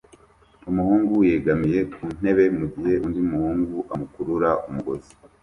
Umuhungu yegamiye ku ntebe mugihe undi muhungu amukurura umugozi